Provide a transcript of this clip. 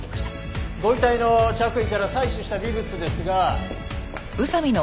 ご遺体の着衣から採取した微物ですが。